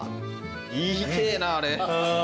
言いてえなあれ。